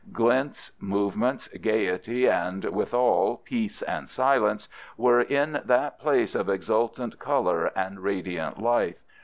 Glints, movement, gayety, and withal peace and silence were in that place of exultant color and radiant life.